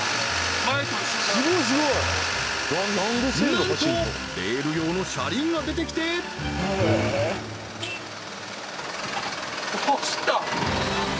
なんとレール用の車輪が出てきて走った！